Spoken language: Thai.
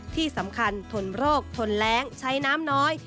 ที่สำคัญทนโรคทนแรงใช้น้ำน้อย